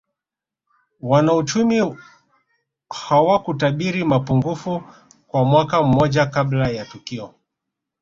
Wanauchumi hawakutabiri mapungufu kwa mwaka mmoja kabla ya tukio